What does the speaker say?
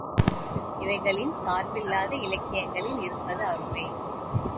இவைகளின் சார்பில்லாத இலக்கியங்களில் இருப்பது அருமை.